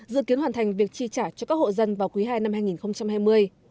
dự kiến hoàn thành việc chi trả cho các hộ dân vào quý ii năm hai nghìn hai mươi